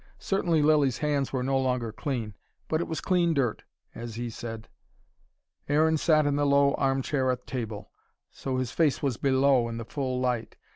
Certainly Lilly's hands were no longer clean: but it was clean dirt, as he said. Aaron sat in the low arm chair at table. So his face was below, in the full light.